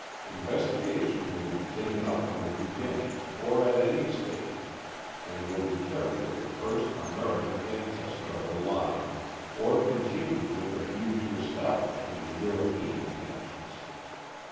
Investigation will be taken up from the beginning, or at any stage, and will be carried to the first American ancestor of a line, or continued with a view to establishing the European connections.